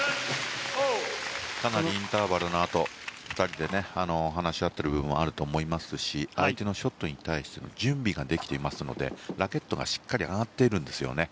かなりインターバルのあと２人で話し合っている部分もあると思いますし相手のショットに対しての準備ができていますのでラケットがしっかり上がっているんですよね。